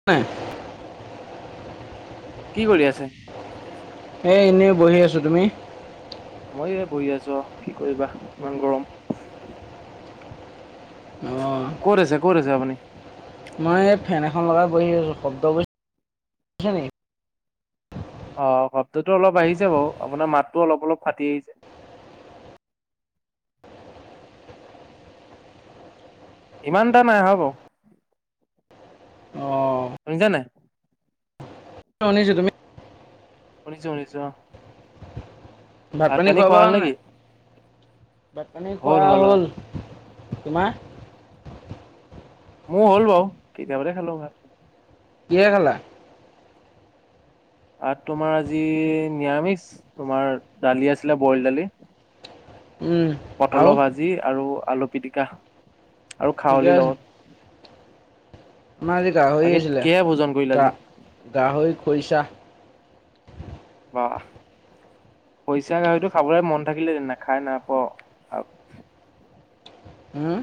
[inaudible] কি কৰি আছে? এই এনেই বহি আছোঁ তুমি? মইয় এই বহি আছো অ, কি কৰিবা ইমান গৰম। অঁ ক'ত আছে ক'ত আছে আপুনি। মই এই ফেন এখন লগাই বহি আছোঁ শব্দ ব, নেকি? অ, শব্দতো অলপ আহিছে বাৰু আপোনাৰ মাততো অলপ অলপ ফাটি আহিছে। ইমান এটা নাই হয় বাৰু অঁ শুনিছানে নাই? [unintelligible] তুমি শুনিছোঁ শুনিছোঁ অ, ভাত পানী খোৱা ব হ'ল নে নাই? ভাত পানী খোৱা হ'ল। তোমাৰ? মোৰ হ'ল বাৰু কেতিয়াবাতে খালো ভাত। কিহে খালা। আ, তোমাৰ আজি নিৰামিষ তোমাৰ দালি আছিলে বইল দালি। উম, আৰু পটলৰ ভাজি আৰু আলু পিটিকা আৰু ঠিকে খাৱলি আছে লগত। আমাৰ আজি গাহৰি বাকী আছিলে, কিহে ভোজন কৰিলা গা আজি? গাহৰি খৰিচা। বা খৰিচা গাহৰিতটো খাবলৈ মন থাকিলেদি খাই নাপ [unintelligible] উম, উম,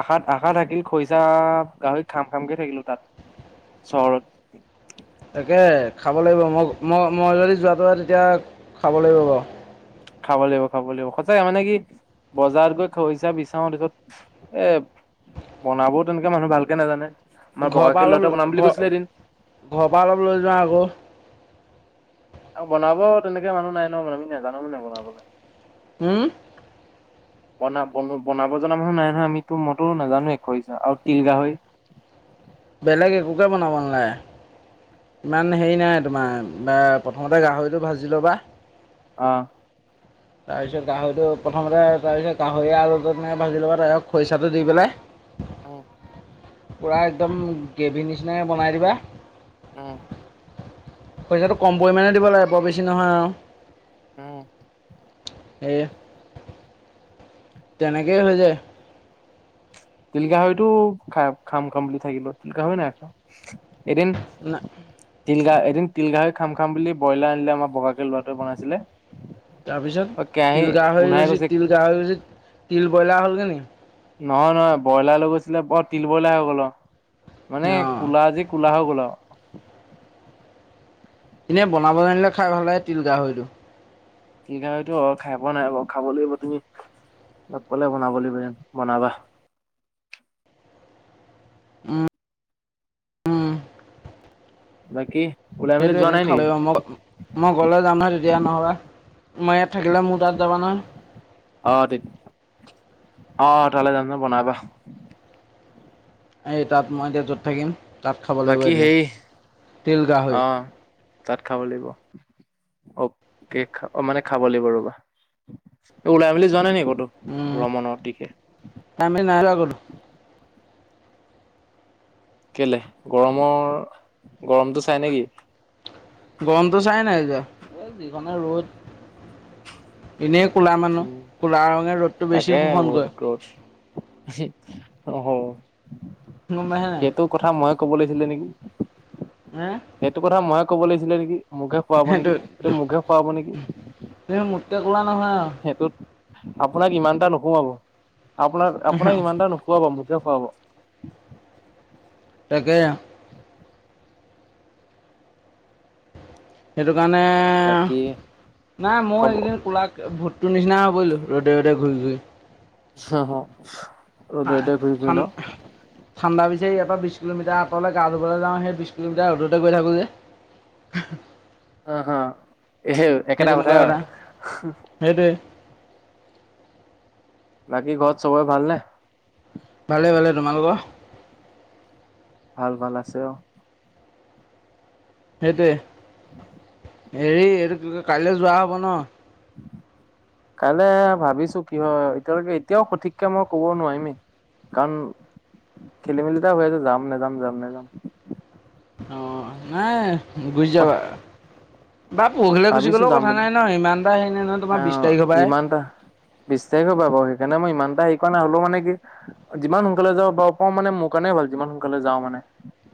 আশাত আশা থাকিল খৰিচা গাহৰি খাম খামকে থাকিলো তাত, চহৰত। তাকে খাব লাগিব মই মই মই যদি যোৱাটো হয়, তেতিয়া খাব লাগিব বাৰু। খাব লাগিব খাব লাগিব সঁচাকে মানে কি বজাৰত গৈ খছা বিচাৰছত এ বনাবও তেনেকে মানুহ ভালকে নাজানে আমাৰ ঘৰৰ পৰা বগাকেই অলপ ল'ৰাট বনাম বুলি ঘৰ কৈছিলে এদিন ঘৰৰ পৰা অলপ লৈ যোৱাওঁ আকৌ আৰু বনাব তেনেকে মানুহ নাই নয় আমি নাজানো ম নাই বনাবলৈ হম [inaudible] বনা বন বনাব জনা মানুহ নাই নহয় আমিতো মইতো নাজানো এশ আৰু তিল গাহৰি বেলেগে কুকাৰ বনাব নালাই ইমান হেৰি নাই তোমাৰ প্ৰথমতে গাহৰিটো ভাজি ল'বা অ তাৰপিছত গাহৰিটো প্ৰথমতে তাৰপিছ গাহৰি আৰুনেক ভাজি ল'বা ত খৰিচাটো দি পেলাই আহ পূৰা একদম গ্ৰেভী নিচিনাকৈ বনাই দিবা অ পইচাটো কমাণে দিব লাগে বৰ বেছি নহয় আৰু উম স তেনেকেই হৈ যায় টিলকাাহৰিতো খ খাম কমপ্লিট থাকিলো টিলকাাহ নাইখাওঁ এদিন ন তিল গা এদিন তিল গাহৰি খাম খাম বুলি ব্ৰইলাৰ আনিলে আমাৰ বগাকে ল'ৰাোৱে বনাইছিলে অ তাৰপিছত কেৰাহী তিল গা হৈ গোন্ধাই গৈছে তিল গা হৈ গৈছে তিল ব্ৰইলাৰ হ'লগৈ নি নহয় নহয় ব্ৰইলাৰ লৈ গৈছিলে বৰ তিল ব্ৰইলাৰ হৈ গল মানে অঁ কলা যি কোলাহ হৈ গ'ল আৰু এনে বনাব জানিলে খাই ভাল লাগে তিল গাহৰিটো কিতো খাই পোৱা নাই ব খাব লাগিব তুমি লগ পালে বনাব লাগিব বনাবা উম বাকি সেইটো এদিন খাল মই মই গ'লে যাম নহয় তেতিয়া নহ'লো মই ইয়াত থাকিলে মোৰ তাত যাবা নয় আহ তে অ তাললে যাম ন বনাবা এই তাত মই এতিয়া য'ত থাকিম তাত খাবলৈ গৈ বাকী যে সেই তিল গাহৈ অ তাত খাব লাগিব অ অ মানে খাব লাগিব ৰ'বা ওলাই মেলি যোৱা নাই নে কতো ভ্ৰমণৰ দিশে তমি নাহা গ'লো কেলে গৰমৰ গৰমতটো চাই নেকি গৰমটো চাই নাই এতি যিনে ৰ'দ এনেই কলা মানুহ উম কলা ৰঙে ৰ'দটো বেছি শোষণ কৰেৈ ৰজ [inaudible] নম্বাইে নাই সেইটো কথা মই কব লিছিলে নেকি হ সেইটো কথা ময়ে ক'ব লাগিছিলে নেকি মোকে খুৱাব নেকি সেইটো মুখে খুৱাব নেকি তুমি মোতকে ক'লা নহয় সেইটোত আপোনাক ইমান এটা নোখোৱাব আপোনাক আপোনাক আৰু ইমানটা নুখোৱাব মুঠে খোৱাব তাকে সেইটো কাৰণে বাকী নাই মই খব এইকেইদিন কোলা ভোটৰ নিচিনা হ হৈ'বলোঁ ৰ'দ ৰ'দ ঘূৰি ঘূৰি হ হ এতিয়া ঘুৰি ফুৰি ন ঠাণ্ডা পিছে ইয়াৰ বি কিলোমিটাৰ আঁৰ গ ধব যাওঁ সেই বিছ কিলোমিাৰ ৰ'দতেৈ থাকোঁ যে [inaudible] অ হা সেই সেই তেনেকুৱা এটা সেইটোৱে বাকী ঘৰত চবৰে ভালনেে ভালে ভালে তোমালোকৰ ভাল ভাল আছে অ সেইটোৱ হেৰি এইটো ত কাইলৈ যোৱা হব ন কাইলে ভাবিছো কি হয় এতিয়ালৈকে এতিয়াও সঠিককে মই কব নোৱাৰিমেই কাৰণ খেলি মেলিতে হৈ আছে যাম নেযাম যাম নেযাম অ নাই বুজি যাবা বা পৰহিলৈ গুচি ভাবিছো গ'লেও যাম কথা বুলি নাই ন, ইমান এটা হে নহয় তোমাৰ বিশ তাৰিখৰ পৰাই হে। বিশ্বাসষ হ পাাৰু সেইকাৰণেই ই এটা হেৰিোৱা নহ'োও মানে কি [unintelligible] যিমান সোনকালে যাওঁ পাওঁ মানে মোৰ কাৰণে ভাল। যিমান সোনকালে যাওঁ মানে,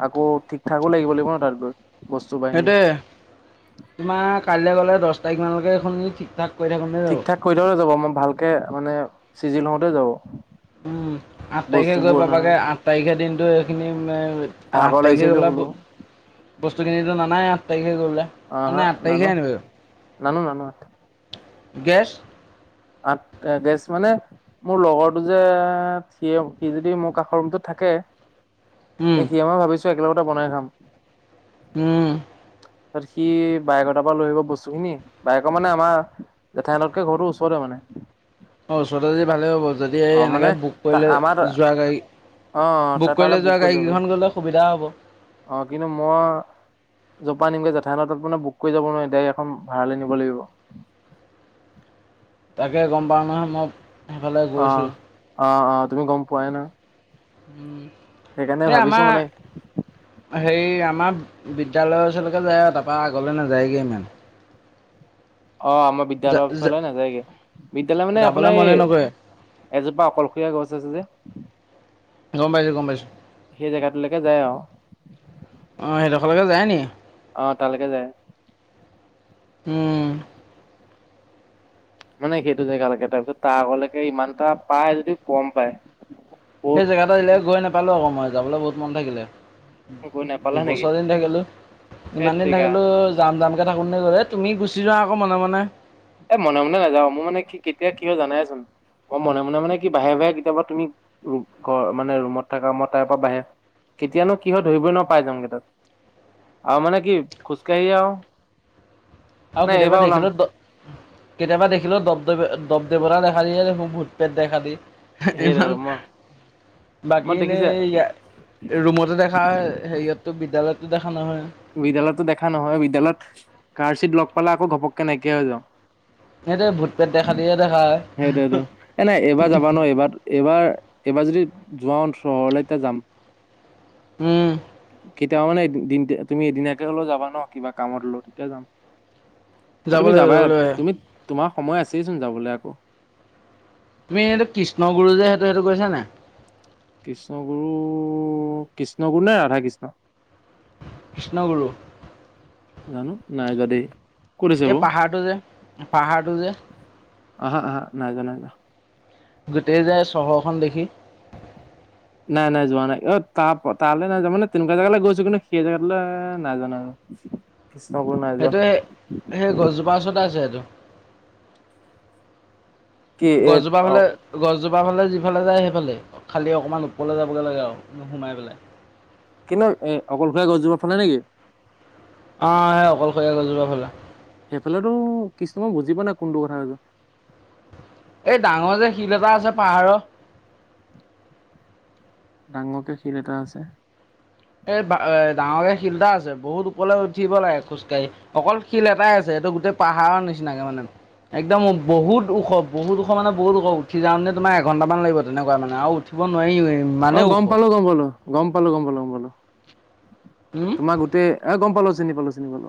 আকৌ ঠিক ঠাকো লাগিব লাগিব ন তাত গৈ। বস্তু সেইট বাহিনী তোমাৰ কাইলৈ গ'লে দহ তাৰিখমানলৈকে এইখনি ঠিক ঠাক কৰি থাকোঁতে যাব। কৰিৈ থওঁতে যাব মই ভালকে মানে চিজি লওঁতে যাব [unintelligible] উম' আঠ তাৰিখে গৈ বস্তুবোৰ ন পাবাগৈ আঠ তাৰিখে দিনটোত িন আঠ ভাগৰ লাগিছে তাৰিখে বুলি গ'লে শুলো বস্তুখিনিতো নানাই আঠ তাৰিখে গ'লে [unintelligible] অ হা নান নান নানু [unintelligible] গেছ, আঠ গেছ মানে, মোৰ লগৰটো যে সিয়ে সি যদি মোৰ কাষৰ ৰুমটোত থাকে। এতিয়া মই ভাবিছোঁ একেলগতে বনাই খাম। উম' তাৰপৰা সি বায়েকৰ তাৰ পৰা লৈ আহিব বস্তু খিনি বাইেকৰ মানে আমাৰ, জেঠাই হতকৈ ঘৰটোৰ ওচৰতে মানে, অঁ ওচৰতে যদি ভালেই হ'ব। যদি অ এই মানে এনেকৈ বুক কৰিলে আমাৰ যোৱা গাড়ী, অ বুক তাই তালৈ কৰিলে যোৱা কৰি গাড়ী যাবি কেইখন গ'লে, সুবিধা হ'ব। অ' কিন্তু মই, জপা নিমগৈ জঠাইত ত মানে বুক কৰি যাব নোৱাৰি। [unintelligible] এয়াড় এখন ভাড়ালৈ নিব লাগিব তাকে গম পাওঁ নহয়। মই সেইফালে গৈছোঁ অ' অ' অ' তুমি গম পোৱাই নহয়, উম, সেইকাৰণে এই ভাবিছো আমাৰ। মানে হেৰি, আমাৰ বিদ্যালয়ৰ ওচৰলৈকে লে আহে, আৰু তাৰপৰা আগলৈ নাযায়গৈ ইমান। অ আমাৰ বিদ্য়ালয়ৰ ফালে নাযায়গে বিদ্য়ালয় মানে যাবলৈ আপোনাৰ এই মনে [unintelligible] নকৰে এজোপা অকলশৰীয়া গছ আছে যে, গম পাইছোঁ গম পাইছোঁ। সেই জেগাাতোলৈকে যায় আৰু, অঁ সেইডোখৰকে যায় নি [unintelligible] অ' তালৈকে যায়। উম' মানে, সেইটো জেগালৈকে তাৰপিছত তাৰ আগলৈকে ইমান এটা পাই যদি কম পায়। সেই বহুত জেগা টোলৈ গৈ নাপালো আকৌ মই যাবলৈ বহুত মন থাকিলে। গৈ নাপালা নেকি? দুবছৰ দিন থাকিলোঁ। হেত ইমান দিন তেৰিকা। থাকিলো, যাম যামকে থাকোঁতে গ'ছৈ তুমি গুচি যোৱা আকৌ মনে মনে। এ মনে মনে নাযাওঁ। মোৰ মানে কি কেতিয়া কিয় জানাইচোন। মই মনে মনে মানে কি বাহিৰে বাহিৰে কেতিয়াবা তুমি ঘৰ মানে ৰুমত থাককা মই তাৰ পৰা বাহিৰ, কেতিয়ানো কি হয় ধৰিবই নোৱাৰি পাই যাওগৈ তাত। আৰু মানে কি, খোজকাঢ়ি আৰু। আৰু নাই কেতিয়াবা এইবাৰ ওলাম দেখিলোঁ, কেতিয়াবা দেখিলো দপ দে দপ দেৱতা দেখ দিয় ভূত পেেত দেখালি [unintelligible] সেই ইমান, মই মই দেখিছে বাকীনেই ইয়াত। ৰুমতো দেখা হয়, হেৰিয়ততো বিদ্যালয়তো দেখা নহয়। বিদ্যালয়তো দেখা নহয় বিদ্ালয়ত কাৰ চিিত লগ পালে আকৌ ঘপককে নাইকিয়া হৈ যাওঁ [unintelligible] সেইটোৱে ভূত পেট দেখা দিয়ে দেখা হয় সেইটোয়ে টো এনেই এইবাৰ যাবা নোৱাৰি এইবাৰ, এইবাৰ, এইবাৰ যদি যোৱাওঁ চহৰলৈ যাম। উম' খতি আ নাই দিন [unintelligible] তুমি এদিনাকে হলেও যাবা ন, কিবা কামত হ'লেও তেতিয়া যাম। আৰু যাব তুমি লাগিব যাবা যাব লাগিব তুমি, তোমাৰ সময় আছেইচোন যাবলৈ আকৌ 'অ' তুমি এইটো কৃষ্ণ গুৰু যে সেইটো সেইটো কৈছ নে কৃষ্ণগুৰু কৃষ্ণগুৰু নাই ৰাধা কৃষ্ণ কৃষ্ণগুৰু জানো নাই য দেই ক'ত আছে এই বাৰু পাহাৰটো যে পাহাৰটো যে অা অা নাইাজা নাইা গোটেই যায় চহৰখন দেখি নাই নাই যোৱা নাই অ ত তালৈ নাযা মানে তেনেকুৱা জেগালৈ গৈছো কিন্তু সেই জোগাাতৈ নাযা নাই কৃষ্ণ ক নাই য সেইটো সেই সেই গছজোপাৰ ওচৰতে আছে এইটো কি এ গছজোপা অ হ'লে গছজোপা ফালে যিফালে যায় সেইফালে খালি অকণমান ওপৰলৈ যাবগৈ লাগে আৰু নোসোমাই পেলাই কিন্তু এ অকলশীয়া গছজোপত ফালে নেকি অ সে অকলশীয়া আ কজোৰাা ফালে সেইফালেতো কিছুমান বুজি পোৱা নাই কোনটো কথাছ এই ডাঙৰ যে শিল এটা আছে পাহাৰৰ ডাঙৰকে শত এটা আছে এই এ ডাঙৰক শিল্দা আছে বহুত ওপৰলৈ উঠিব লাগে খোজকাঢ়ি অকল শিল এটাই আছে এইটো গোটেই পাহাৰৰ নিচিনাকে মানে একদম বহুত ওখ বহুত ওখ মানে বহুত খ উঠি যাওঁ নে তোম এঘণ্টামান লাগিব তেনেকুৱা মানে আৰু উঠি ব নোৱাৰ হ অ গম পালো গম পালো গম পালো গম পালো গম পালো উম তোমাক গোটেই এ গম পালো চিনি পালো চিনি পালো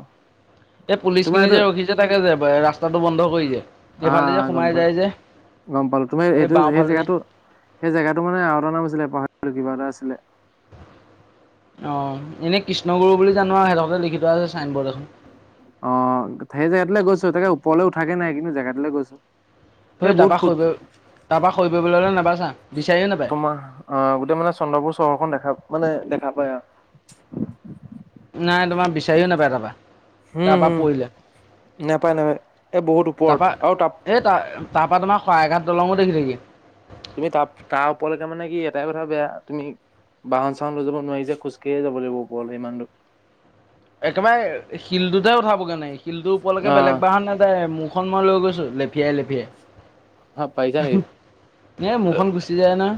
এই পুলিচ তোমাৰ খিনি এইটো যে ৰখিছে তাকে যে ৰাস্তাটো বন্ধ কৰি যে এইফালে যে আহ গম সোমাই পালো। যায় যে গম পালো তুমাৰ এই এইটো সেই বাওঁফালে যে জেগাটো সেই জেগাটো মানে আৰু এটা নাম আছিলে পাহাৰো কিবা এটা আছিলে অ এনেই কৃষ্ণগুৰু বুলি জানো আৰু সিহঁতকতে লিখি থোৱা আছে ছাইন বৰ্ড এখন অ সেই জেগাাতৈ গৈছো তাকে ওপৰলৈ উঠাকে নাই কিন্তু জেগাাতৈ গৈছো এই ভ বহুত তাৰপাক খোজ শুৰিব তাৰপাক শুৰিব বুলিলে নাবাচা বিচাৰিও নাপায় তোমাৰ অ গোটেই মানে চন্দ্ৰপুৰ চহৰখন দেখা মানে দেখা পায় আৰু নাই তোমাৰ বিচাৰিও নাপায় তাৰপৰা হম তাৰ পৰা হম পৰিলে নাপায় নাপায় এই বহুত ওপৰত তাৰপৰা আৰু তাপ এই ত তাৰপৰা আমাৰ শৰাইঘাট দলঙো দেখিছেগি তুমি তাৰ তাৰ ওপৰলৈকে মানে কি এটাই কথা বেয়া তুমি বাহন চাহন লৈ যাব নোৱাৰি যে খোজঢ় যাবাগিব ওপৰ ইমান দ একেবাৰে শিলটোতে উঠাবগে নাই শিলটোৰ ওপৰলৈকে বেলেগ বাহ নাযায় ম এখন মই লৈ গৈছোঁ লেফিয়াই লেফিয়াই হা পইচা ন এই মোৰখন গুচি যায় নহয়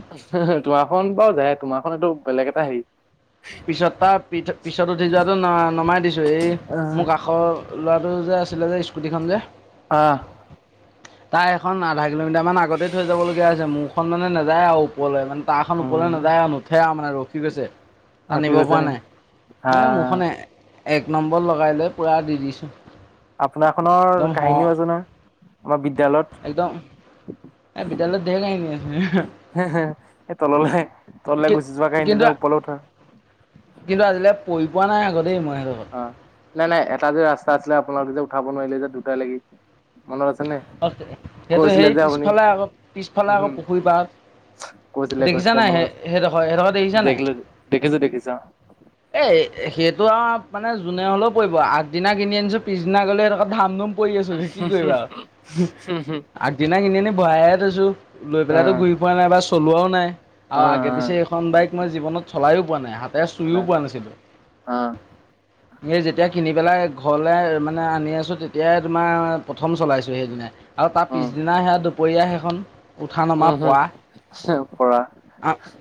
তোমাৰখন বাৰু যায় তোমাৰখন এইটো বেলেগ এটা হেৰি পিছত তাৰ পি পিছত উঠি যোৱাাতটো ন নমাই দিছো এই মোক কাষৰ ল'ৰাটো যে আছিলে যে স্কুটিখন যে আহ তাৰ এখন আধা কিলোমিটাৰ মান আগতে থৈ যাবলগীয়া হৈছে। মোৰখন মানে নাযায় আৰু ওপৰলৈ মানে তাহ খন ওপৰলৈ উম নাযায় আৰু নুঠে আৰু মানে ৰখি গৈছে। অ কি টানিব কৈছে পৰা নি নাই এই আহ মুোৰখন এক নম্বৰ লগাই লৈ পূৰা দি দিছোঁ আপোনাৰ খনৰ একদম হ কাহিনীও আছে নহয় আমাৰ বিদ্যয়ালয়ত। একদম এ বিদ্যালয়ত ধেৰ কাহিনী আছে। হে হে তললৈ তললৈ গুচি যোৱা গাড়ীক কিন্তু তেতিয়া ওপৰ উঠাৰ কিন্তু, আজিলৈ পৰি পোৱা নাই আকৌ মই সিহঁতৰ ঘৰত। অ নাই নাই এটা যে ৰাস্তা আছিলে। আপোনালোক যে উঠাব নোৱাৰিলে যে দুটাই লাগি মনত আছে নে। অ' সেইটো কৈছিলে সেই যে আপুনি পিছফালে আকৌ পিছফালে আকৌ উম পুখুৰী পাৰত। কৈছিলে দেখিছা কৈছিলে নাই, মনত সেই আছে সেইডোখৰ সেইডোখৰ দেখিছা নাই। দেখিলো দেখিছো দেখিছো এই সেইটো আৰু মানে যোনে হ'লেও পৰিব আগদিনা কিনি আনিছোঁ পিছদিনা গ'লে এক ধাম ধুম পৰি আছোঁ কি কৰিবা আগদিনা কিনি আনি বহাই থৈয়ছো। লৈ অ পেলাইটো ঘূৰি পোৱা নাই বা চলোৱাও নাই আৰু আগে পিছে অ এইখন বাইক মই জীৱনত চলায়ো পোৱা নাই হাতেৰে চুইও পোৱা অ নাছিলোঁ। এই যেতিয়া কিনি পেলাই ঘৰলে মানে আনি আছোঁ। তেতিয়াই তোমাৰ প্ৰথম চলাইছোঁ। সেইদিনা আৰু তাৰ অ পিছদিনা সেয়া দুপৰীয়া সেইখন। উঠা নমা উম হম পৰা। পৰা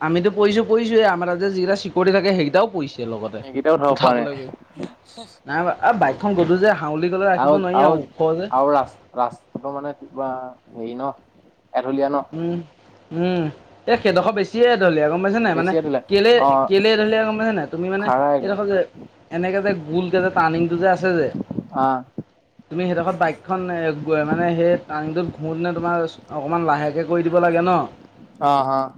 আমিতো পইছো পইছোৱে আমাৰ তাত যি কেইটা চিকিউৰিটি থাকে সেইটাও পইছে। এতিয়া লগতে এইকেইটাও উঠাব পৰা নাই উঠাবলৈ গৈ নাই এই বাইকখন গধূ যে হাউলি গ'লে ৰাখিব নোৱাৰি আৰু। যে আৰু ৰা ৰাস্তাটো মানে কিবা হেৰি ন এঢলীয়া ন উম, উম, এ সেইডোখৰ বেছি। বেছিয়ে এঢলীয়া গ'ম পাইছেনে নাই মানে বেছি এঢলীয়া কেলে অ কেলে এঢলীয়া গ'ম পাইছা নাই তুমি মানে খাৰা একদম এইডোখৰ যে এনেকৈ যে গোলকে যে টাৰনিংটো যে আছে যে। অ তুমি সেইডোখৰ বাইকখন মানে সেই টাৰনিংটোত ঘূৰ তেনে তোমাৰ অকণমান লাহে কৰি দিব লাগে ন। অ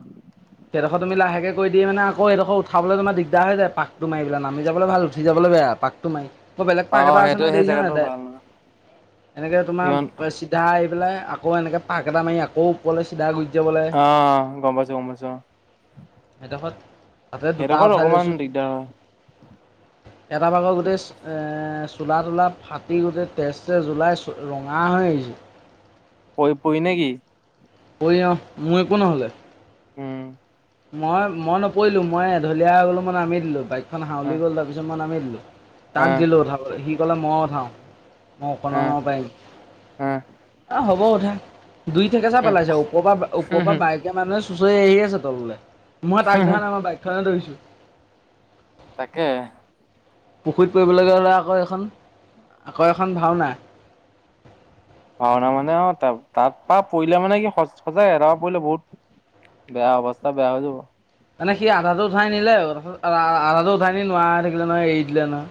[inaudible] সেইডখৰ তুমি লাহে কৰি দি মানে আকৌ এইডোখৰ উঠাব তোমাৰ দিগদাৰ পাকতটো মাৰি পেলাই নাম যাবলৈ ভাল উঠিযাবলৈ বেয়া পাক পাক টো মাৰি আকৌ বেলেগ অ পাক এটা আছে সেইটোৱে সেই দেখিছানে জেগাটো নাই ত ভাল নহয় এনেকে তোমাৰ ইমান চিধা আহ পেলাই আকৌ এনেকে পাক এটা মাৰি আকৌ ওপৰলৈ চিধা গো অ' গ'ম পাইছোঁ, গ'ম পাইছোঁ। সেইডোখৰত তাতে দুটা সেইডোখৰত ওঠাই অকমান লৈছোঁ। দিগদাৰ এটা ভাগৰ গোটেই এ চোলা তোলা ফাত ফাতি গোটেই তেজে ওলাই ৰঙা হৈ আহিছে। প পৰি নেকি। পৰি অ' মোৰ একো নহ'লে। উম। মই মই নপৰিলোঁ, মই এঢলীয়া হৈ গ'লো মই নামি দিলোঁ। বাইকখন হাউলি আহ গ'ল তাৰপিছত মাই নামি দিলোঁ। তাক আহ দিলোঁ উঠাবলৈ সি ক'লে মই উঠাওঁ মই আহ [unintelligible] পাৰিম। আহ আহ হ'ব উঠা দুই থেকেচা হম পেলাইছে। ওপৰৰ পৰা হম ওপৰৰ হম পৰা বাইক মানুহে চুঁচৰি আহি আছে তললৈ, মই তাক হম ধৰা নাই মই বাইকখনে ধৰিছোঁ। তাকে পুখুৰীত পৰিবলৈ গ'লে হ'লে আকৌ এখন আকৌ এখন ভাওনা। ভাওনা মানে অ' ত তাত পৰা পৰিলে মানে কি স সজাই এ পৰা পৰিলে বহুত বেয়া অৱস্থা, বেয়া হৈ যাব। মানে সি আধাটো উঠাই নিলে, আধাটো উঠাই নি নোৱাৰাই হয় থাকিলে নহয়, এৰি দিলে নহয়।